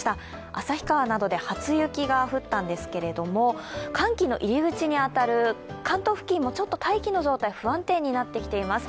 旭川などで初雪が降ったんですが、寒気の入り口に当たる関東付近も大気の状態、不安定になってきています。